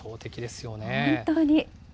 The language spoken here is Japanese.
本当に。